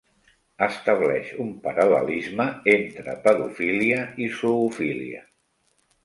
Estableix un paral·lelisme entre pedofília i zoofília.